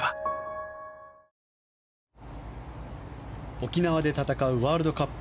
沖縄で戦うワールドカップ